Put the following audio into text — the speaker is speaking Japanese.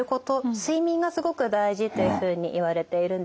睡眠がすごく大事というふうにいわれているんですね。